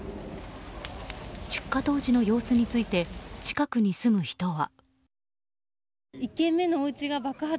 出火当時の様子について近くに住む人は。